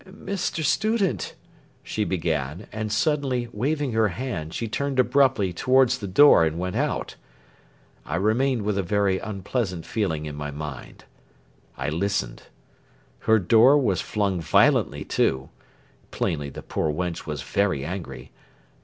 "Mr. Student!" she began, and suddenly, waving her hand, she turned abruptly towards the door and went out. I remained with a very unpleasant feeling in my mind. I listened. Her door was flung violently to plainly the poor wench was very angry...